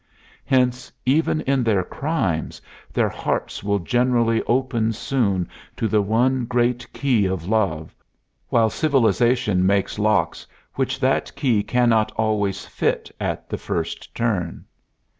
Hence, even in their crimes, their hearts will generally open soon to the one great key of love, while civilization makes locks which that key cannot always fit at the first turn.